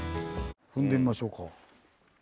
踏んでみましょうか。